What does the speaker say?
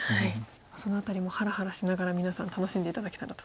その辺りもハラハラしながら皆さん楽しんで頂けたらと。